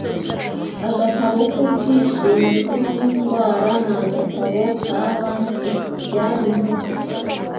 agatabo k’Ubwishingizi bw’indwara n’agatabo ka banki. Byari mu